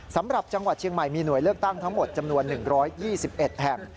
จังหวัดเชียงใหม่มีหน่วยเลือกตั้งทั้งหมดจำนวน๑๒๑แห่ง